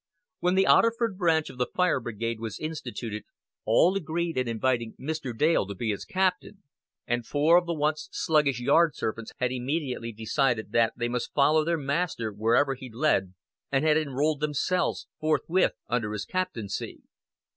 When the Otterford branch of the Fire Brigade was instituted all agreed in inviting Mr. Dale to be its captain; and four of the once sluggish yard servants had immediately decided that they must follow their master wherever he led, and had enrolled themselves forthwith under his captaincy.